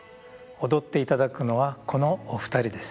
踊っていただくのはこのお二人です。